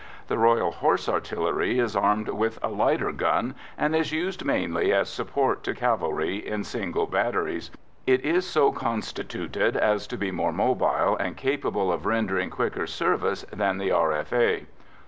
The Royal Horse Artillery is armed with a lighter gun, and is used mainly as support to cavalry in single batteries. It is so constituted as to be more mobile and capable of rendering quicker service than the R.F.A.